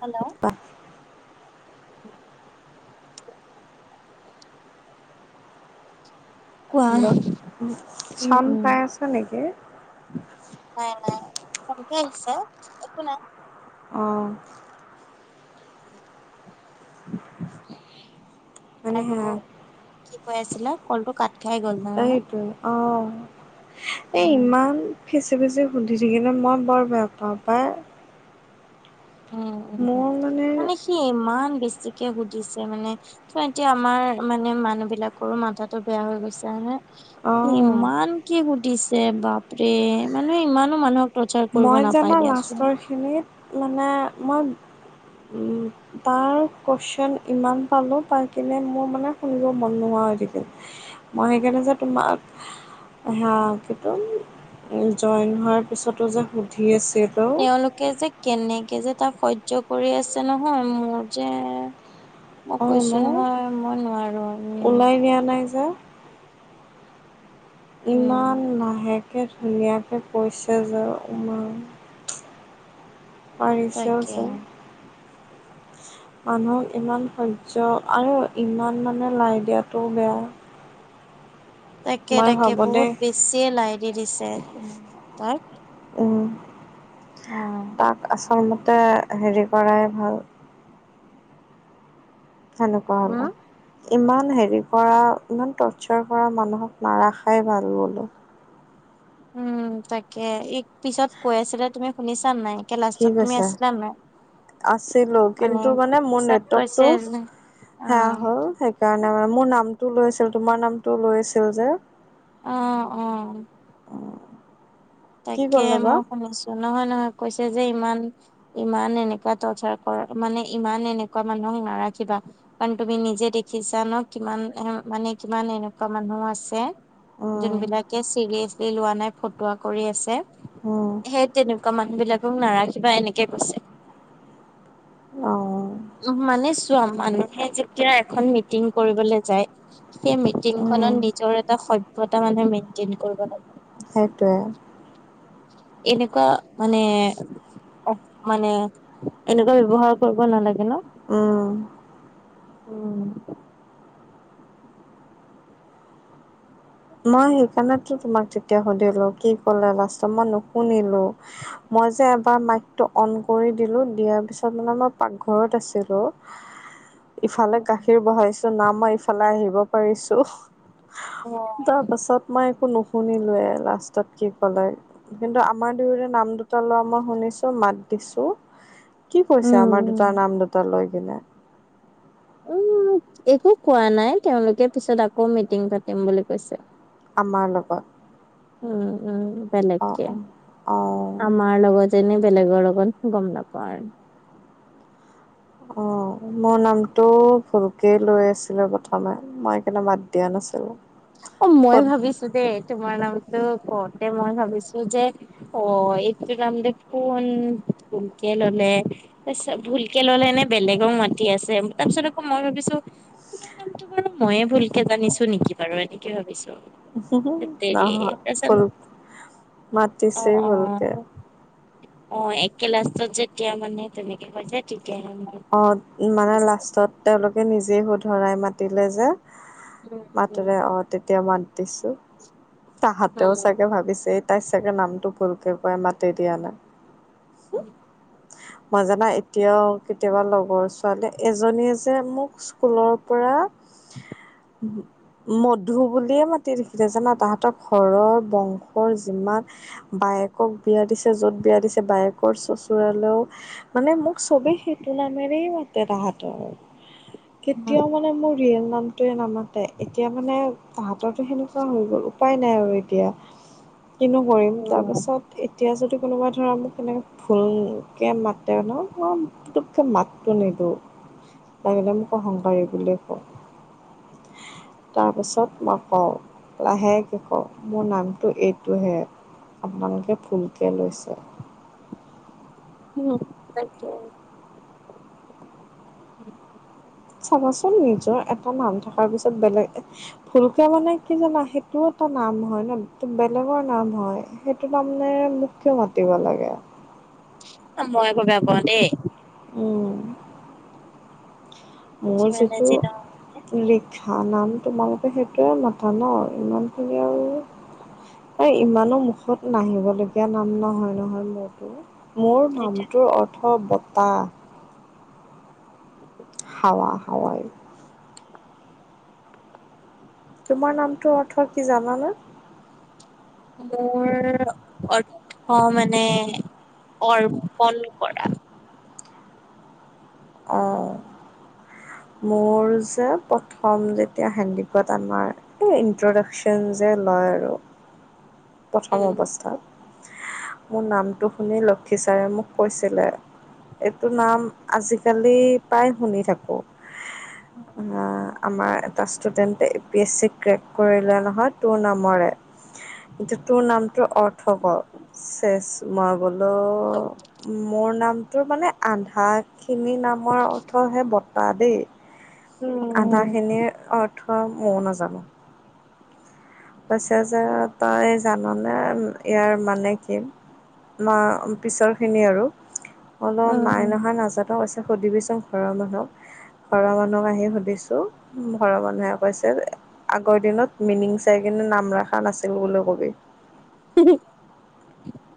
Hello? [inaudible] Hello উম sound উম পাই আছে নেকি? নাই নাই, কমকে আহিছে একো নাই। অঁ'। [inaudible] মানে আৰু হে কি কৈ আছিল, কলটো কাট খাই গ'ল নহয়নে এইটোৱে অ', এই উম ইমান ফিচি ফিঁচি সুধি থাকিলে মই বৰ বেয়া পাওঁ পায়। উম, উম, মানে সি ইমান বেছিকে সুধিছে মানে ত' এতিয়া আমাৰ মানে মানুহ বিলাকৰো মাথাাতটো বেয়া হৈ গৈছে, হয়নে? অ', ইমান কি সুধিছে বাপৰে মানুহে ইমানো মানুহক টৰ্চাৰ কৰিব মই জানা নাপাই দিয়াচোন। [unintelligible] মানে মই উম, [inaudible] তাৰ কুইশ্যন ইমান পালোঁ পাই কিনে মোৰ মানে শুনিব মন নোহোৱা হৈ থাকিল। মই সেইকাৰণে যে তোমাক স কিন্তু জইন হোৱাৰ পিছতো যে সুধি আছিলোঁ। তেওঁলোকে যে কেনেকে যে তাক সহ্য কৰি আছে নহয় মোৰ যে মই অ', কৈছোঁ ন নহয় মই নোৱাৰো। উম ওলাই নিয়া নাই যে উম ইমান লাহেকৈ ধুনীয়াকৈ কৈছে যা ইমান পাৰিছেও তাকে যে মানুহক ইমান সহ্য আৰু ইমান মানে লাই দিয়াটোও বেয়া। তাকে, মই তাকে ভাবোঁ বহুত দেই বেছিয়ে লাই দি দিছে ই তাক। উ। উ তাক আচল মতে হেৰি কৰাই ভাল। সেইনোকোৱা হ'লে। উম ইমান হেৰি কৰা ইমান টৰ্চাৰ কৰা মানুহক নাৰাখাই ভাল বুলো। উম, তাকে ই পিছত কৈ আছিলে তুমি শুনিছা নাই। ত লাষ্টত তুমি আছিলা নাই। আছিলোঁ কিন্তু মানে মোৰ পিছত কৈছে নেটৱৰ্কটো যে অ সেয়া হ'ল সেইকাৰণে মানে মোৰ নামটো লৈছিল তোমাৰ নামটো লৈ আছিল যে অ', অ'। কি তাকে ক'লে বা মই শুনিছোঁ নহয়, নহয় কৈছে যে ইমান ইমান এনেকুৱা তৰ্চাৰ কৰ মানে ইমান এনেকুৱা মানুহক নাৰাখিবা। কাৰণ তুমি নিজে দেখিছা ন কিমান এ মানে কিমান এনেকুৱা মানুহ আছে। উম যোনবিলাকে চিৰিয়াচলি লোৱা নাই ফটোক কৰি আছে উম সেই তেনেকুৱা মানুহ বিলাকক নাৰাখিবা এনেকে কৈছে। অ মানে চোৱা মানুহে যেতিয়া এখন মিটিং কৰিবলৈ যায়। সেই মিটিংখনত উম নিজৰ এটা সভ্যতা মানে মেইন্টেইন কৰিব লাগে। সেইটোৱে। এনেকুৱা মানে অ', মানে এনেকুৱা ব্যৱহাৰ কৰিব নালাগে ন। উম। উম। মই সেইকাৰণেতো তোমাক তেতিয়া সুধিলো কি কলে লাষ্টত মই নুশুনিলোঁ। মই যে এবাৰ মাইকটো অ'ন কৰি দিলো দিয়াৰ পিছত মানে মই পাকঘৰত আছিলোঁ। [inaudible] ইফালে গাখীৰ বহাইছো না মই ইফালে আহিব পাৰিছোঁ। অহ। তাৰ পাছত মই একো নুশুনিলোয়ে লাষ্টত কি ক'লে। কিন্তু আমাৰ দুয়োৰে নাম দুটা লোৱা মই শুনিছোঁ মাত দিছো কি কৈছে আমাৰ উম। দুটাৰ নাম দুটা লৈ কিনে? উম একো কোৱা নাই তেওঁলোকে পিছত আকৌ মিটিং পাতিম বুলি কৈছে। আমাৰ লগত। উম, উম বেলেগ অ', কে, অ', অ', আমাৰ তাৰ লগতেনে বেলেগৰ লগত গ'ম নাপাওঁ আৰু। অহ মোৰ নামটো ভূলকেই লৈ আছিলে প্ৰথমে। মই কিন্তু মাত দিয়া নাছিলোঁ। অহ মই ভাবিছোঁ দেই তোমাৰ নামতো কওঁতে মই ভাবিছোঁ যে অহ এইটো নাম দেখোন ভূলকে ল'লে। তাৰপিছত ভুলকে ললে নে বেলেগক মাতি আছে তাৰপিছত আকৌ মই ভাবিছোঁ তোমাৰ নামটো বাৰু ময়ে ভুলকে জানিছো নেকি বাৰু এনেকে ভাবিছোঁ। হেৎ তেৰি, নহয় ভুল তাৰপাছত, মাতিছেই অহ অহ। ভুলকে। অহ একে লাষ্টত যেতিয়া মানে তেনেকে কৈছে তেতিয়াহে মই অহ মানে ভাবিছো লাষ্টত তেওঁলোকে নিজে শুধৰাই মাতিলে যে উম উম মাতিলে অহ তেতিয়া মাত দিছো। তাহাঁতেও চাগে ভাবিছে এই তাই চাগে নামটো ভুলকে পাই মাতে দিয়া নাম। উম। মইজানাত এতিয়াও কেতিয়াবা লগৰ ছোৱালী এজনীয়ে যে মোক স্কুলৰ পৰা [unintelligible] উহু। মধু বুলিয়ে মাতি দিছিলে জানা তাহাঁতক ঘৰৰ বংশৰ যিমান বায়েকক বিয়া দিছে য'ত বিয়া দিছে বায়েকৰ চচুৰালেও মানে মোক চবেই সেইটো নামেৰেই মাতে, তাহা'তৰ উম কেতিয়াও মানে মোৰ ৰিয়েল নামটোৱে নামাতে, এতিয়া মানে তাহাঁতৰটো সেনেকুৱা হৈ গ'ল উপায় নাই আৰু এতিয়া। [inaudible] কিনো কৰিম উম তাৰপাছত এতিয়া যদি কোনোবা ধৰা মোক এনেকৈ ভুলকৈ মাতে ন, মই মাতটো নিদিওঁ লাগিলে মোক অহংকাৰী বুলিয়ে কওঁক। তাৰপিছত মাক কওঁ লাহেকে কওঁ মোৰ নামটো এইটোহে আপোনালোকে ভুলকে লৈছে। উম তাকে। চাবাচোন নিজৰ এটা নাম থকাৰ পিছত বেলেগ ভুলকে মানে কি জানা সেইটো এটা নাম হয় ন, বেলেগৰ নাম হয় সেইটো তাৰমানে কিয় মাতিব লাগে? মই আকৌ বেয়া পাওঁ দেই। উম। মোৰ যিমানে যিটো যি নহওক মানে লিখা নাম তোমালোকে সেইটোৱে মতা ন, ইমানখিনি আৰু এই ইমানো মুখত নাহিবলগীয়া নাম নহয় নহয় মোৰ। মোৰ এতিয়া নামটোৰ অৰ্থ বতাহ। হাৱা হাৱাই। তোমাৰ নামটোৰ অৰ্থ কি জানানে? মোৰ অৰ্থ মানে অৰ্পন কৰা। অহ। মোৰ যে প্ৰথম যেতিয়া সন্দিকৈত আমাৰ এই ইণ্ট্ৰডাকশ্যন যে লয় আৰু [inaudible] প্ৰথম অৱস্থাত মোৰ নামটো শুনি লক্ষী ছাৰে মোক কৈছিলে এইটো নাম আজি আজিকালি প্ৰায় শুনি থাকো আহ আমাৰ এটা ষ্টুডেণ্টে A P S C crack কৰিলে নহয় তোৰ নামৰে তোৰ নামটো অৰ্থ ক চেছ, মই বোলো মোৰ নামটো মানে আন্ধাৰ খিনি নামৰ অৰ্থ হে বতাহ দেই তুমি আধা খিনিৰ অৰ্থ অৰ্থ মও নাাজানো কৈছে যে তই জাননে ইয়াৰ মানে কি মা পিছৰ খিনি আৰু অলপ নাই উম নহয় নাজানো পইছে সুধিবিচোন ঘৰৰ মানুহক ঘৰ মানুহক আহি সুধিছো ঘৰৰ মানুহে কৈছে আগৰ দিনত মিনিং চাই কিনে নাম ৰখা নাছিল বুলি কবি। উ [inaudible]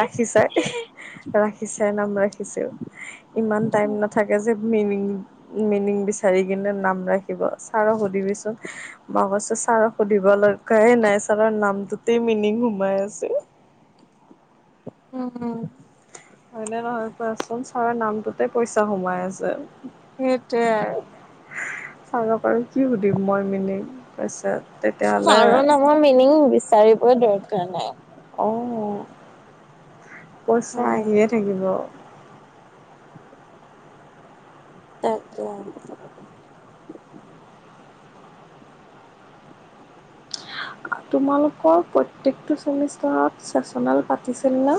ৰাখিছাই, ৰাখিছাই নাম ৰাখিছোঁ ইমান টাইম ন থাকে যে মিনিং, মিনিং বিচাৰি কিনে নাম ৰাখি ছাৰক সুধিবিচোন, মই কৈছোঁ ছাৰক সুধিবলাহে [unintelligible] নাই ছাৰৰ নামটোতেই মিনিং সোমাই আছে। উম। হয়নে নহয় চোৱাচোন, ছাৰ নামটোতে পইচা সোমাই আছে সেইটোৱে আৰু চাব পাৰো [unintelligible] কি সুধিম মই মিনিং তাৰ পিছত তেতিয়াহ'লে মই মিনিং বিচাৰিবই দৰকাৰ নাই। অ', পইচা উম। আহিয়ে থাকিব তাকে তোমালোকৰ প্ৰত্যেকটো চেমিষ্টাৰত চেচনেল পাতিছিলনে?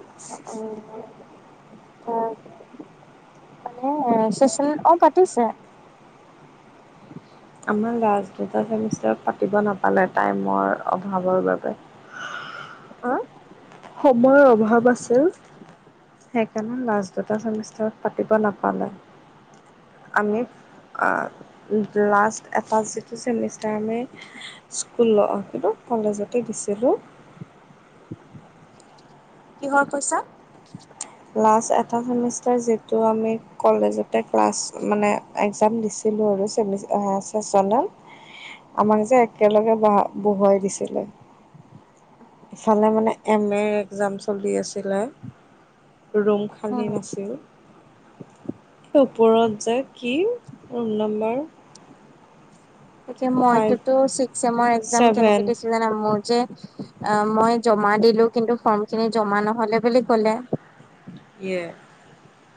[inaudible] মানে চেচনেল অ' পাতিছে। আমাৰ লাষ্ট চেমিষ্টাৰত পাতিব নাপালে, টাইমৰ অভাৱৰ বাবে। আহ? সময়ৰ অভাৱ আছিল। সেইকাৰণে লাষ্ট দুটা চেমিষ্টাৰত পাতিব নাপালে। আমি, লাষ্ট এটা যিটো চেমিষ্টাৰ আমি স্কুল কিন্তু, কলেজতে দিছিলোঁ কিহৰ পইছা? লাষ্ট এটা চেমিষ্টাৰ যিটো আমি, কলেজতে ক্লাছ মানে এক্সাম দিছিলোঁ আৰু চেমিষ্টাৰ চেচনেল আমাক যে একেলগে বহুৱাই দিছিলে। ইফালে মানে এম এৰ একজাম চলি আছিলে, ৰুম খালী উম নাছিল, ওপৰত যে কি? ৰুম নম্বাৰ গতিকে ফাইভ মইতোটো ছিক্স চেমৰ একজাম ছেভেন কেনেকে দিছো জানা মোৰ যে, অ' মই জমা দিলো, কিন্তু ফৰ্ম খিনি জমা নহ'লে বুলি কলে। য়ে।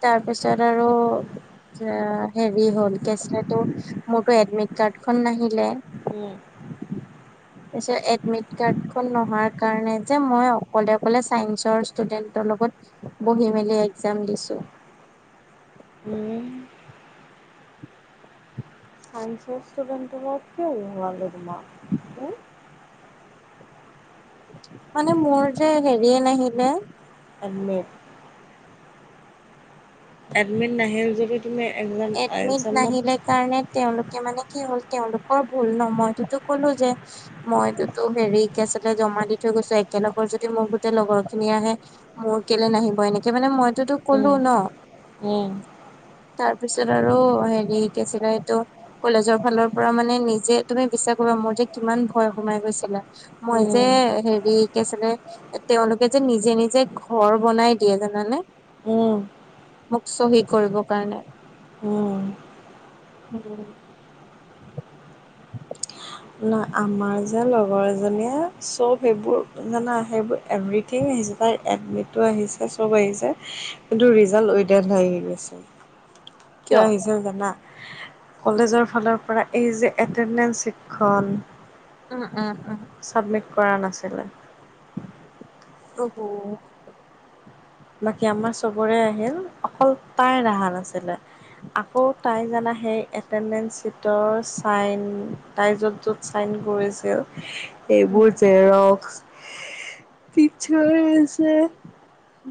তাৰপিছত আৰু হেৰি হ'ল, কি আছিলে মোৰটো এডমিট কাৰ্ড খন নাহিলে উম। তাৰপিছত এডমিট কাৰ্ডখন নোহাৰ কাৰণে যে মই অকলে-অকলে চাইন্সৰ ষ্টুডেন্টৰ লগত বহি মেলি এক্জাম দিছোঁ। হম। চাইেন্সৰ ষ্টুডেণ্টৰ লগত কিয় বহোৱালে তোমাক? হম? মানে মোৰ যে হেৰিয়ে নাহিলে। এডমিট। এডমিট নাহিল যদি তুমি এডমিট এক্সাম-এক্সামত নাহিলে কাৰণে তেওঁলোকে মানে কি হ'ল, তেওঁলোকৰ ভুল ন', মইটোটো ক'লো যে মইটোটো হেৰি কি আছিলে, জমা দি থৈ গৈছোঁ, একেলগৰ যদি মোৰ গোটেই লগৰ খিনি আহে মোৰ কেলে নাহিব, এনেকে মানে মইটোটো উম, উম। পিছত আৰু হেৰি কি আছিলে এইটো? কলেজৰ ফালৰ পৰা মানে নিজে, তুমি বিশ্বাস কৰিবা মোৰ যে কিমান ভয় সোমাই গৈছিলে? মই যে উম হেৰি, কি আছিলে? তেওঁলোকে যে নিজে-নিজে ঘৰ বনাই দিয়ে জানানে। উ। মোক চহী কৰিবৰ কাৰণে। উম উম। ন আমাৰ যে লগৰ এজনীয়ে চব সেইবোৰ যানা সেইবোৰ এভিৰিথিং আহিছে তাই এডমিটোটো আহিছে চব আহিছে। কিন্তু ৰিজাল্ট উদাড হৈ আহি গৈছে। কিয় আহিছিল জানা কলেজৰ ফালৰ পৰা এই যে এডেডন্ট খন উম, উম, উম। চাবমিট কৰা নাছিলে। অহ হো। বাকী আমাৰ চবৰে আহিল অকল তাইৰ অহা নাছিলে। আকৌ তাই জানা সেই এটেন্টচ চিটৰ চাইন তাই য'ত য'ত চাইন কৰিছিল উম, এইবোৰ জেৰক্স পিছৰ আছে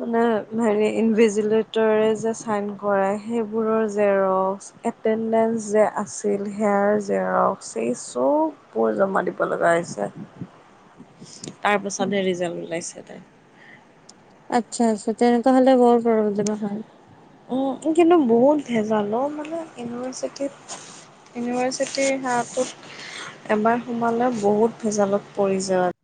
মানে হেৰি ইনভেজিলেটৰে যে চাইন কৰে সেইবোৰৰ জেৰক্স এটেন্টদেনচ যে আছিল সেয়াৰ জেৰক্স সেই চব কাপোৰ জমা দিব লগা হৈছে। [inaudible] তাৰ উম, পাছতহে ৰিজাল্ট ওলাইছে তাইৰ। আচ্ছা, আচ্ছা তেনেকুৱা হ'লে বৰ প্ৰব্লেম হয়। কিন্তু বহুত ভেজালো মানে ইউনিভাৰ্চিটিত। ইউনিভাৰ্চিটিৰ সেয়াটোত এবাৰ সোমালে বহুত ভেজালত পৰি যায় আৰু